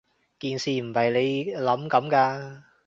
件事唔係你諗噉㗎